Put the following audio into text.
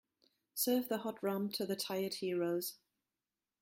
Serve the hot rum to the tired heroes.